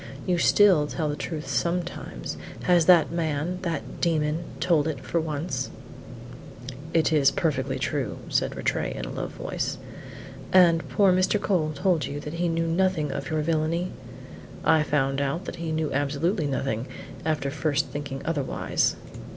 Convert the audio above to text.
You still tell the truth sometimes; has that man that demon told it for once?" "It is perfectly true," said Rattray in a low voice. "And poor Mr. Cole told you that he knew nothing of your villany?" "I found out that he knew absolutely nothing after first thinking otherwise."